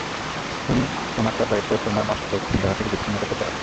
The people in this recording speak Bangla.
তুমি আমার তরবারিতে তোমার মস্তক দেহ থেকে বিচ্ছিন্ন করতে চাও?